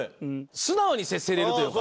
素直に接せるというか。